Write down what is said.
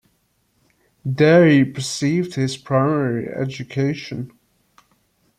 There he received his primary education.